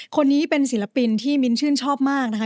คนนี้เป็นศิลปินที่มิ้นชื่นชอบมากนะคะ